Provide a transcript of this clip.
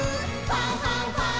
ファンファンファン！」